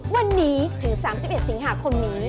วันนี้ถึง๓๑สิงหาคมนี้